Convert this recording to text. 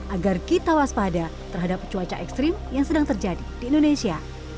agar kita waspada terhadap cuaca ekstrim yang sedang terjadi di indonesia